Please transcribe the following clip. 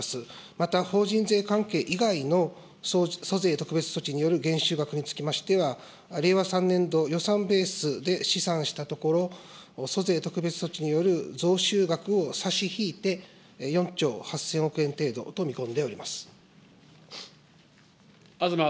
また法人税関係以外の租税特別措置による減収額につきましては、令和３年度予算ベースで試算したところ、租税特別措置による増収額を差し引いて、４兆８０００億円程度と見込んでおります。